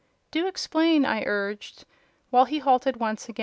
"Do explain," I urged, when he halted once more.